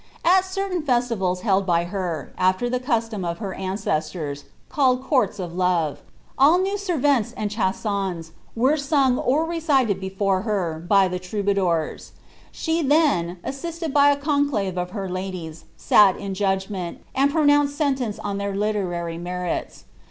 At cer tain iSsflUvals held by her, after the custom of her ancestors,* called Courts of Love, all new sirventes and cJiansons were sung or recited be fc»e her, by the troubadours. She then, assisted by a conclave of her ladies, sat in judgment, and pronounced sentence on their literary merits.